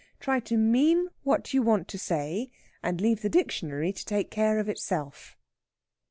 Try to mean what you want to say, and leave the dictionary to take care of itself.